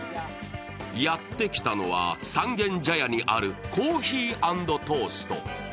やってきたのは三軒茶屋にあるコーヒー＆トースト。